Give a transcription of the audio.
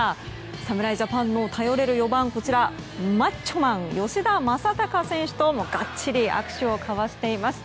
侍ジャパンの頼れる４番マッチョマン、吉田正尚選手とがっちり握手を交わしています。